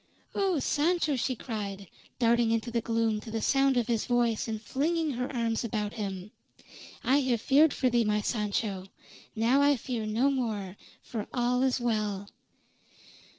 "Oh, Sancho!" she cried, darting into the gloom to the sound of his voice and flinging her arms about him. "I have feared for thee, my Sancho. Now I fear no more, for all is well."